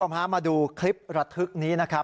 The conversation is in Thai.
พามาดูคลิประทึกนี้นะครับ